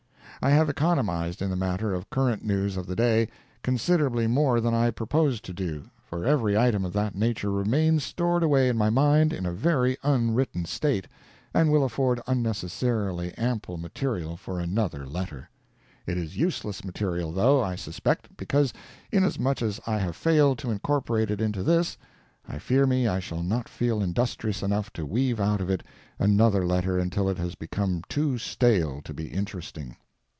I have economised in the matter of current news of the day, considerably more than I purposed to do, for every item of that nature remains stored away in my mind in a very unwritten state, and will afford unnecessarily ample material for another letter. It is useless material, though, I suspect, because, inasmuch as I have failed to incorporate it into this, I fear me I shall not feel industrious enough to weave out of it another letter until it has become too stale to be interesting.